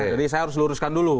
jadi saya harus luruskan dulu